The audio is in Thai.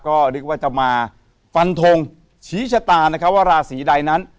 ก็เรียกว่าจะมาฟันทงชี้ชะตานะครับว่าราศีใดนั้น